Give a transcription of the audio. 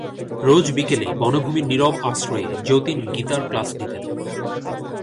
রোজ বিকেলে বনভূমির নীরব আশ্রয়ে যতীন গীতার ক্লাস নিতেন।